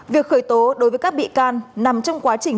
việc khởi tố đối với các bị can nằm trong quá trình